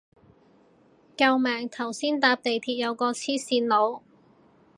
救命頭先搭地鐵有個黐線佬